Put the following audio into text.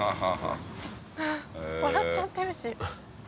笑っちゃってるし。